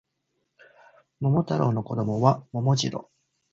桃太郎の子供は桃次郎